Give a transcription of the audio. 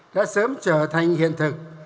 đã sớm trở thành hiện thực